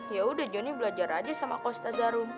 ya udah jonny belajar aja sama ustaz zarum